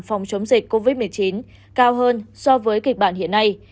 phòng chống dịch covid một mươi chín cao hơn so với kịch bản hiện nay